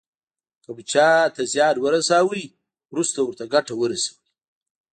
که مو چاته زیان ورساوه وروسته ورته ګټه ورسوئ.